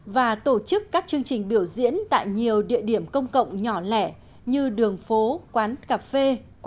và tổ chức các chương trình biểu diễn tại nhiều địa điểm công cộng nhỏ lẻ như đường phố quán cà phê quán